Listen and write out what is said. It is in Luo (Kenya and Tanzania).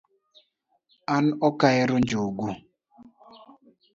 An okahero njugu